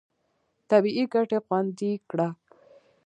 طبیعي ګټې خوندي کړه.